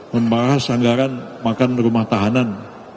membahas anggaran makan rumah tahanan